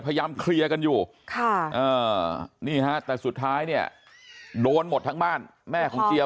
พยายามเคลียร์กันอยู่นี่ฮะแต่สุดท้ายเนี่ยโดนหมดทั้งบ้านแม่ของเจียว